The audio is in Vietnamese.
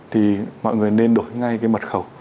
thì mọi người nên đổi ngay cái mật khẩu